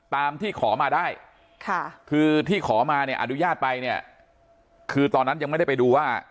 ตามที่ขอมาได้ค่ะคือที่ขอมาเนี่ยอนุญาตไปเนี่ยคือตอนนั้นยังไม่ได้ไปดูว่า